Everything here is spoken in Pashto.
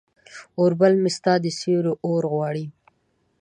اوربل مې ستا د سیوري اورغواړي